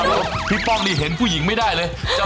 พี่ป้องนี่เห็นผู้หญิงไม่ได้เลย